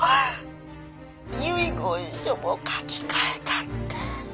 遺言書も書き換えたって。